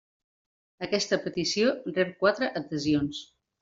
Aquesta petició rep quatre adhesions.